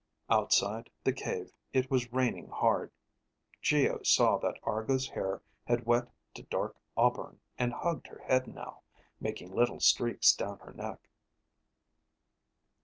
Outside the cave it was raining hard. Geo saw that Argo's hair had wet to dark auburn and hugged her head now, making little streaks down her neck.